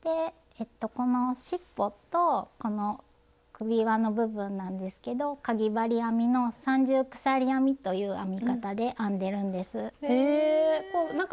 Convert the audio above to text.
このしっぽとこの首輪の部分なんですけどかぎ針編みの「三重鎖編み」という編み方で編んでるんです。